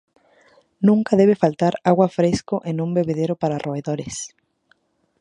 Nunca debe faltar agua fresco en un bebedero para roedores.